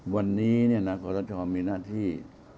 วันนี้เนี่ยนะคนเราชอบมีหน้าที่